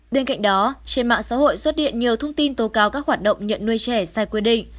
bên cạnh đó trên mạng xã hội xuất hiện nhiều thông tin tố cáo các hoạt động nhận nuôi trẻ sai quy định